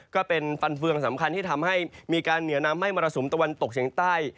ก็เป็นฟันเฟืองสำคัญที่ทำให้มีการเหนียวนำให้มรสุมตะวันตกเฉียงใต้